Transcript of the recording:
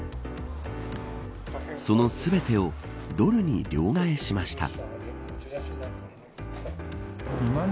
その全てをドルに両替しました。